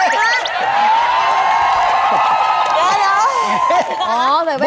เยอะแล้ว